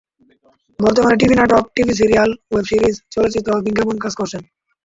বর্তমানে টিভি নাটক, TV serial, web series, চলচ্চিত্র, বিজ্ঞাপনে কাজ করছেন।